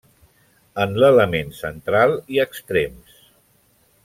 En l'element central i extrems.